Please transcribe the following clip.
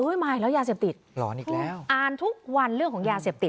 มาอีกแล้วยาเสพติดหลอนอีกแล้วอ่านทุกวันเรื่องของยาเสพติด